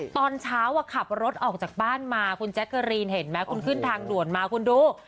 ตอนเช้าขับรถออกจากบ้านมาคุณแจ๊กเกอรีนเห็นไหมคุณขึ้นทางด่วนมาคุณดู